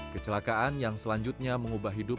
kecelakaan yang selanjutnya mengubah hidup